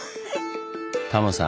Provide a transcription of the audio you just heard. タモさん